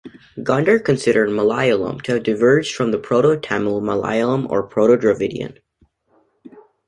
Gundert considered Malayalam to have diverged from Proto-Tamil-Malayalam, or Proto-Dravidian.